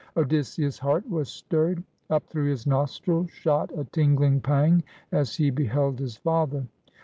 Odysseus' heart was stirred. Up through his nostrils shot a tingling pang as he beheld his father.